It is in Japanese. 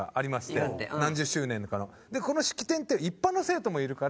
この式典って一般の生徒もいるから。